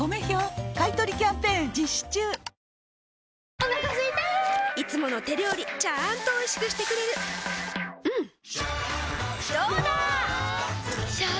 お腹すいたいつもの手料理ちゃんとおいしくしてくれるジューうんどうだわ！